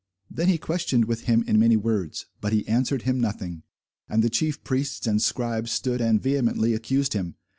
Then he questioned with him in many words; but he answered him nothing. And the chief priests and scribes stood and vehemently accused him.